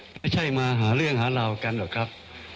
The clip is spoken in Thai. ไม่ใช่มาหาเรื่องหาราวกันหรอกครับ